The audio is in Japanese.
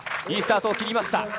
いいスタートを切りました。